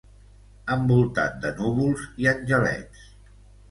Envoltat de núvols i angelets.